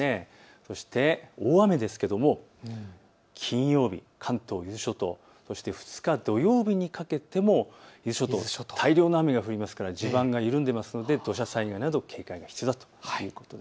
そして大雨ですけども金曜日、関東、伊豆諸島、２日土曜日にかけて伊豆諸島、大量の雨が降りますから地盤が緩んでますので土砂災害など警戒が必要です。